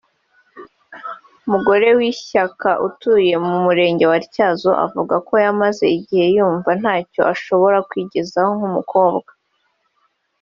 Mugorewishyaka utuye mu Murenge wa Ntyazo avuga ko yamaze igihe yumva ntacyo ashobora kwigezaho nk’umukobwa